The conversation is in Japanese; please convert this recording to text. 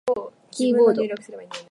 キーボード